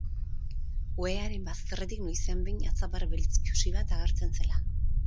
Ohearen bazterretik noizean behin atzapar beltz itsusi bat agertzen zela.